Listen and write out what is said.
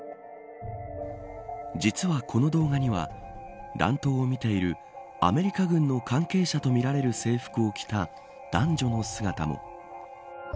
実はこの動画には乱闘を見ているアメリカ軍の関係者とみられる制服を着た男女の姿も。